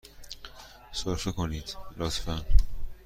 سرفه کنید، لطفاً.